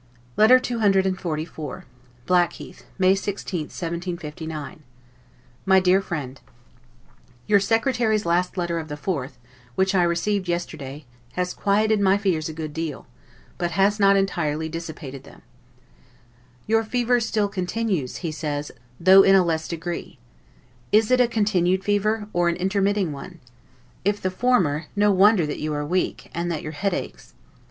LETTER CCXLIV BLACKHEATH, May 16, 1759 MY DEAR FRIEND: Your secretary's last letter of the 4th, which I received yesterday, has quieted my fears a good deal, but has not entirely dissipated them. YOUR FEVER STILL CONTINUES, he says, THOUGH IN A LESS DEGREE. Is it a continued fever, or an intermitting one? If the former, no wonder that you are weak, and that your head aches.